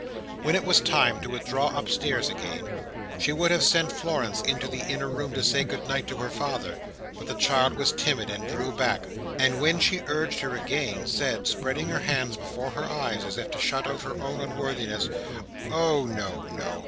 When it was time to withdraw upstairs again, she would have sent Florence into the inner room to say good night to her father, but the child was timid and drew back; and when she urged her again, said, spreading her hands before her eyes, as if to shut out her own unworthiness, "Oh no, no!